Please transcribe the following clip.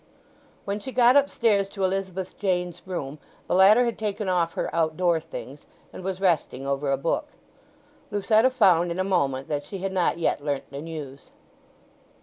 When she got upstairs to Elizabeth Jane's room the latter had taken off her out door things, and was resting over a book. Lucetta found in a moment that she had not yet learnt the news.